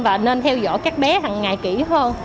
và nên theo dõi các bé hằng ngày kỹ hơn